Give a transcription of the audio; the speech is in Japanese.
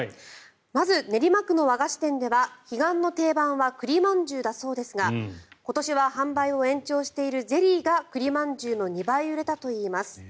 まず練馬区の和菓子店では彼岸の定番は栗まんじゅうだそうですが今年は販売を延長しているゼリーが栗まんじゅうの２倍売れたといいます。